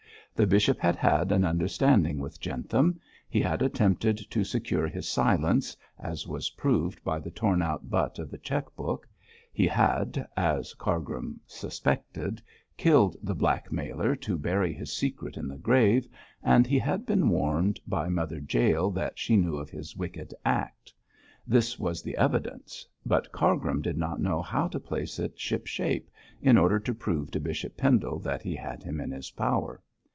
The bishop had had an understanding with Jentham; he had attempted to secure his silence, as was proved by the torn out butt of the cheque book; he had as Cargrim suspected killed the blackmailer to bury his secret in the grave, and he had been warned by Mother Jael that she knew of his wicked act. This was the evidence, but Cargrim did not know how to place it ship shape, in order to prove to Bishop Pendle that he had him in his power.